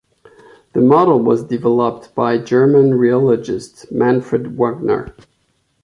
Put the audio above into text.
The model was developed by German rheologist Manfred Wagner.